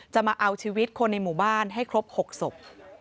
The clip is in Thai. มาเอาชีวิตคนในหมู่บ้านให้ครบ๖ศพ